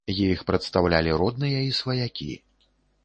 Іх прадстаўлялі родныя і сваякі.